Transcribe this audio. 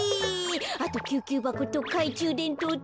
あときゅうきゅうばことかいちゅうでんとうと